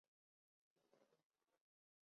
野桐为大戟科野桐属下的一个变种。